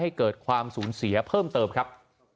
ให้เกิดความสูญเสียเพิ่มเติมครับ